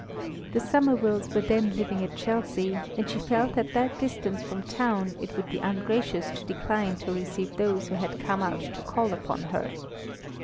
The Somervilles were then living at Chelsea, and she felt at that distance from town, it would be ungracious to decline to receive those who had come out to call upon her.